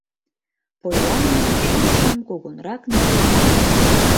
Поллианна шӱлышым кугунрак нале.